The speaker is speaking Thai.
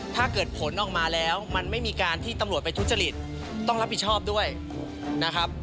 ถ้าเกิดผลออกมาแล้วมันไม่มีการที่ตำรวจไปทุจริตต้องรับผิดชอบด้วยนะครับ